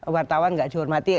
wartawan tidak dihormati